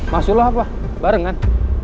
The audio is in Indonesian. maksud lo apa barengan